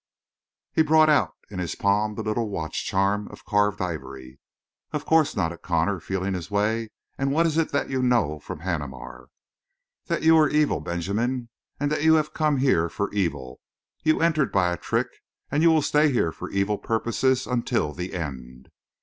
He brought out in his palm the little watch charm of carved ivory. "Of course," nodded Connor, feeling his way. "And what is it that you know from Haneemar?" "That you are evil, Benjamin, and that you have come here for evil. You entered by a trick; and you will stay here for evil purposes until the end."